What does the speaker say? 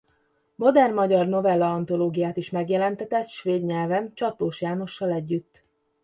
Modern magyar novella-antológiát is megjelentetett svéd nyelven Csatlós Jánossal együtt.